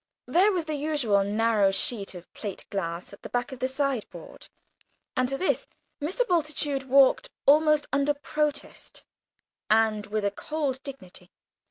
There was the usual narrow sheet of plate glass at the back of the sideboard, and to this Mr. Bultitude walked, almost under protest, and with a cold dignity.